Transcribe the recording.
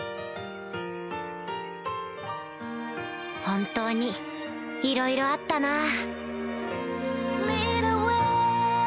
本当にいろいろあったなぁ